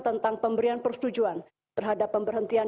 tentang pemberian persetujuan terhadap pemberhentian